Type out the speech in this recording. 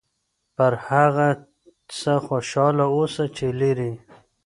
پر هغه څه خوشحاله اوسه چې لرې یې.